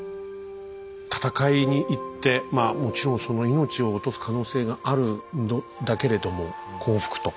戦いに行ってもちろん命を落とす可能性があるんだけれども「幸福」と。